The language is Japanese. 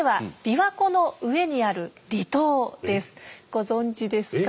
ご存じですか？